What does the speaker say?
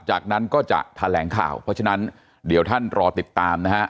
จากนั้นก็จะแถลงข่าวเพราะฉะนั้นเดี๋ยวท่านรอติดตามนะฮะ